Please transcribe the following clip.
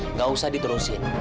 nggak usah diterusin